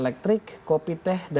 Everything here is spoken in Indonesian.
ini kita lihat komoditasnya